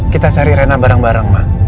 kita cari rena bareng bareng pak